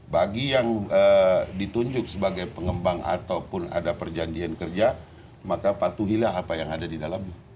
bagi yang ditunjuk sebagai pengembang ataupun ada perjanjian kerja maka patuhilah apa yang ada di dalamnya